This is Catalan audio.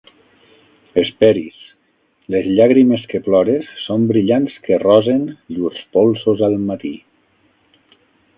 Hesperis, les llàgrimes que plores són brillants que rosen llurs polsos al matí.